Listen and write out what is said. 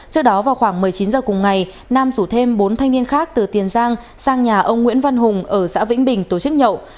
trước đó vào khoảng một mươi chín h cùng ngày nam rủ thêm bốn thanh niên khác từ tiền giang sang nhà ông nguyễn văn hùng ở xã vĩnh bình tổ chức nhậu